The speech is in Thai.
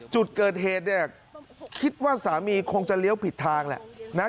จุดเกิดเหตุเนี่ยคิดว่าสามีคงจะเลี้ยวผิดทางแหละนะ